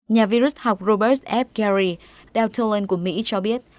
nhà virus học robert f gary delta land của mỹ cho biết